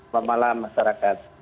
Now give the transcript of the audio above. selamat malam masyarakat